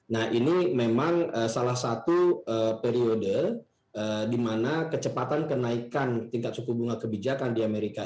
nah ini memang salah satu periode di mana kecepatan kenaikan tingkat suku bunga kebijakan di amerika